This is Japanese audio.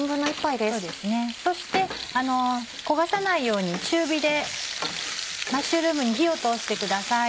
そして焦がさないように中火でマッシュルームに火を通してください。